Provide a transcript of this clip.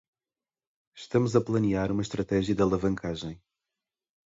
Estamos planejando uma estratégia de scale-up.